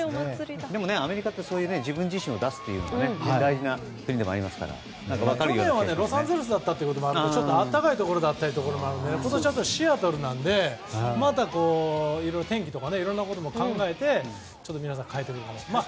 でもアメリカってそういう自分自身を出すのが大事な国でもありますから。去年はロサンゼルスだったということもあってちょっと暖かいところだったので今年はシアトルなのでまたいろいろ天気とかいろいろ考えて皆さん変えてくるかもしれない。